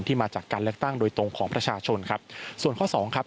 มาจากการเลือกตั้งโดยตรงของประชาชนครับส่วนข้อสองครับ